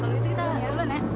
kalau gitu kita nyanyi dulu nek